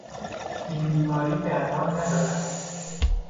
این بیماری درمان ندارد.